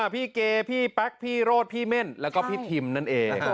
พี่เกพี่แป๊กพี่โรดพี่เม่นแล้วก็พี่ทิมนั่นเอง